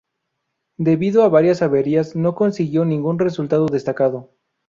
Debido a varias averías no consiguió ningún resultado destacado.